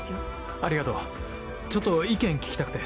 ありがとうちょっと意見聞きたくて。